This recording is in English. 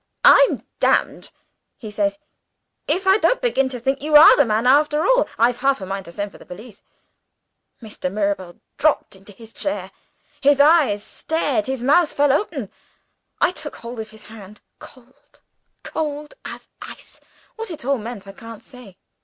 'I'm damned,' he says, 'if I don't begin to think you are the man, after all; I've half a mind to send for the police.' Mr. Mirabel dropped into his chair. His eyes stared, his mouth fell open. I took hold of his hand. Cold cold as ice. What it all meant I can't say.